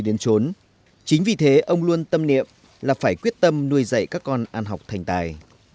đến trốn chính vì thế ông luôn tâm niệm là phải quyết tâm nuôi dạy các con ăn học thành tài